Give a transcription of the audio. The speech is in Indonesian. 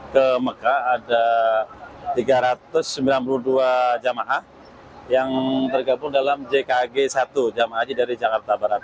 jemaah haji yang diberangkatkan ke mekah ada tiga ratus sembilan puluh dua jemaah yang tergabung dalam jkg satu jemaah haji dari jakarta barat